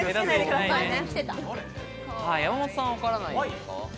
山本さんはわからないですか？